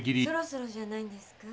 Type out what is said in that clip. そろそろじゃないんですか？